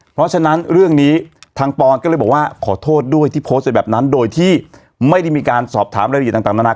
เพราะฉะนั้นเรื่องนี้ทางปอนก็เลยบอกว่าขอโทษด้วยที่โพสต์ไปแบบนั้นโดยที่ไม่ได้มีการสอบถามรายละเอียดต่างนานา